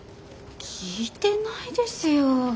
聞いてないですよ。